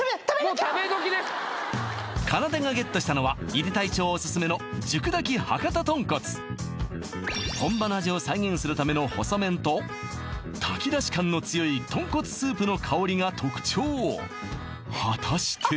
もう食べ時ですかなでがゲットしたのは井手隊長オススメの本場の味を再現するための細麺と炊き出し感の強い豚骨スープの香りが特徴果たして？